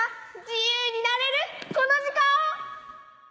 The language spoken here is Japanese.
自由になれるこの時間を！